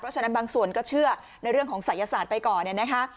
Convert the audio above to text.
เพราะฉะนั้นบางส่วนก็เชื่อในเรื่องของศัยศาสตร์ไปก่อนเนี่ยนะคะ